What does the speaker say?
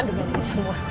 dengan ini semua